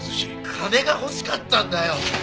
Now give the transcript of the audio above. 金が欲しかったんだよ！